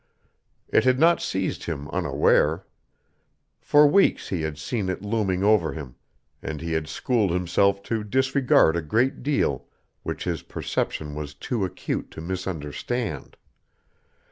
It had not seized him unaware. For weeks he had seen it looming over him, and he had schooled himself to disregard a great deal which his perception was too acute to misunderstand.